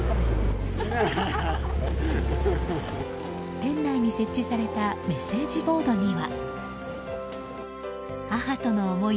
店内に設置されたメッセージボードには。